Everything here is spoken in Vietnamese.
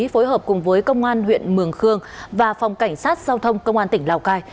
phối hợp cùng với công an huyện mường khương và phòng cảnh sát giao thông công an tỉnh lào cai